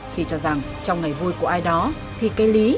khi cho rằng trong ngày vui của ai đó thì cây lý